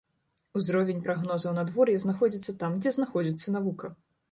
Узровень прагнозаў надвор'я знаходзіцца там, дзе знаходзіцца навука.